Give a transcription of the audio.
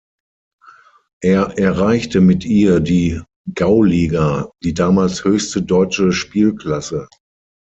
Er erreichte mit ihr die Gauliga, die damals höchste deutsche Spielklasse.